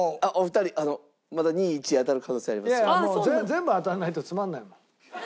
全部当たらないとつまらないもん。